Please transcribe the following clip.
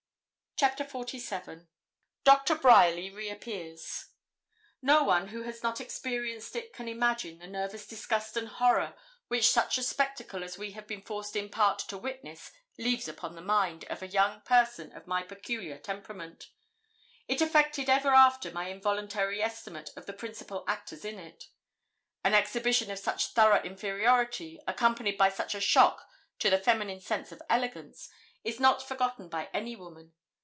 CHAPTER XLVII DOCTOR BRYERLY REAPPEARS No one who has not experienced it can imagine the nervous disgust and horror which such a spectacle as we had been forced in part to witness leaves upon the mind of a young person of my peculiar temperament. It affected ever after my involuntary estimate of the principal actors in it. An exhibition of such thorough inferiority, accompanied by such a shock to the feminine sense of elegance, is not forgotten by any woman.